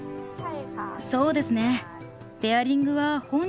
そうですね。